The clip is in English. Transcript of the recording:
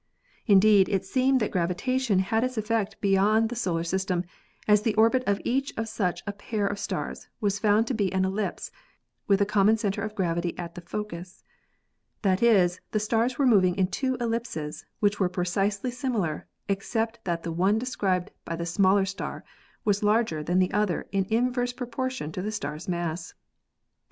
Indeed, it seemed that gravitation had its effect beyond the solar system, as the orbit of each of such a pair of stars was found to be an ellipse with the common center of gravity at the focus. That is, the stars were moving in two ellipses which were precisely similar, except that the one described by the smaller star was larger than the other in inverse proportion to the star's mass.